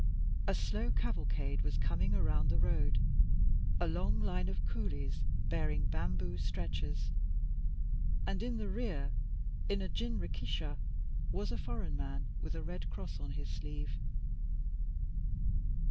A slow cavalcade was coming around the road, a long line of coolies bearing bamboo stretchers, and in the rear, in a jinrikisha, was a foreign man with a red cross on his sleeve.